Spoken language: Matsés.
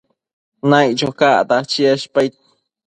Naiccho cacta cheshpaid